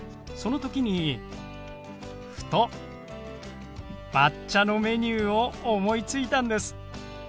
その時にふと抹茶のメニューを思いついたんです。